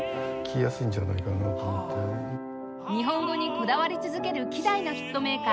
日本語にこだわり続ける希代のヒットメーカー